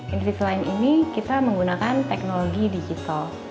invisalign ini kita menggunakan teknologi digital